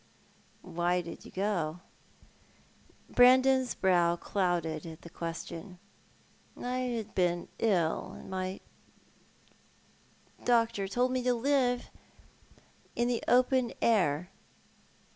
"Why did you go?" Brandon's brow clouded at the question. " I had been ill, and my doctor told me to live iu the open air."